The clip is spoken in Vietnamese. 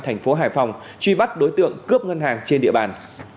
thành phố hải phòng truy bắt đối tượng cướp ngân hàng trên địa bàn